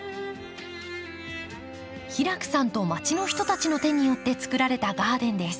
平工さんとまちの人たちの手によってつくられたガーデンです。